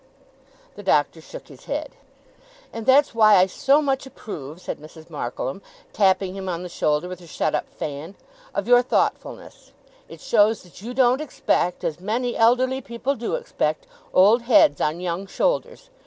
The Doctor shook his head. 'And that's why I so much approve,' said Mrs. Markleham, tapping him on the shoulder with her shut up fan, 'of your thoughtfulness. It shows that you don't expect, as many elderly people do expect, old heads on young shoulders.